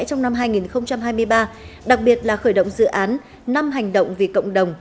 trong năm hai nghìn hai mươi ba đặc biệt là khởi động dự án năm hành động vì cộng đồng